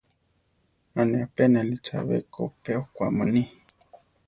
A ne apénali chabé ko pe okwá muní.